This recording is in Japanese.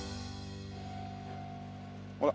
ほら。